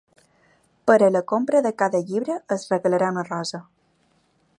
Per a la compra de cada llibre es regalarà una rosa.